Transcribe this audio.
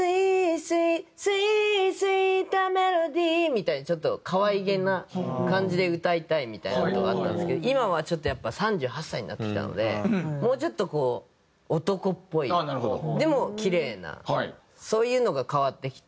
「ｓｗｅｅｔｓｗｅｅｔｍｅｌｏｄｙ」みたいにちょっと可愛げな感じで歌いたいみたいな事があったんですけど今はちょっとやっぱ３８歳になってきたのでもうちょっとこう男っぽいでもキレイなそういうのが変わってきて。